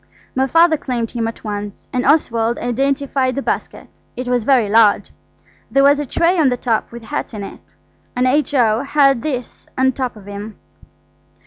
My Father claimed him at once, and Oswald identified the basket. It was very large. There was a tray on the top with hats in it, and H.O. had this on top of him.